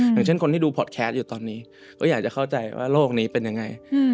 อย่างเช่นคนที่ดูพอดแคสต์อยู่ตอนนี้ก็อยากจะเข้าใจว่าโลกนี้เป็นยังไง